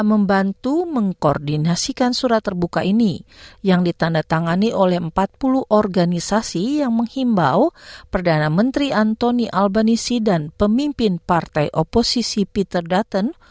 membantu mengkoordinasikan surat terbuka ini yang ditanda tangani oleh empat puluh organisasi yang menghimbau perdana menteri antoni albanisi dan pemimpin partai oposisi peter dutton